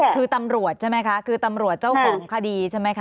คือตำรวจใช่ไหมคะคือตำรวจเจ้าของคดีใช่ไหมคะ